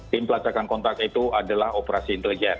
tim pelacakan kontak itu adalah operasi intelijen